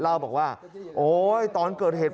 เล่าบอกว่าโอ๊ยตอนเกิดเหตุ